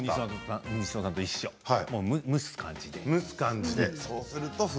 西尾さんと一緒蒸す感じで。